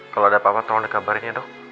kalau ada apa apa tolong dikabarin ya dok